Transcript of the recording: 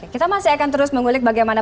kita masih akan terus mengulik bagaimana